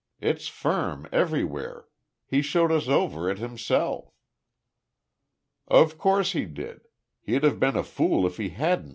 It's firm everywhere. He showed us over it himself." "Of course he did. He'd have been a fool if he hadn't.